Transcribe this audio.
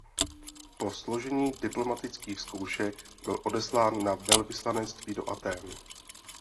Po složení diplomatických zkoušek byl odeslán na velvyslanectví do Athén.